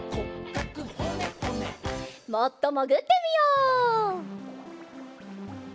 もっともぐってみよう。